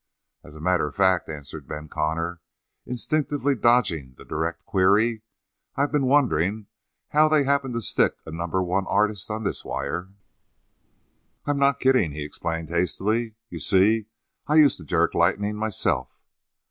"As a matter of fact," answered Ben Connor, instinctively dodging the direct query, "I've been wondering how they happened to stick a number one artist on this wire. "I'm not kidding," he explained hastily. "You see, I used to jerk lightning myself."